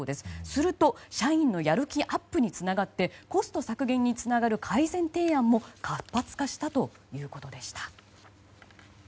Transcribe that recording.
すると社員のやる気アップにつながってコスト削減につながる改善提案も活発化したということでした。